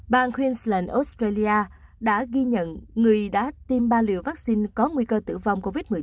bang queensland australia đã ghi nhận người đã tiêm ba liều vaccine có nguy cơ tử vong covid một mươi chín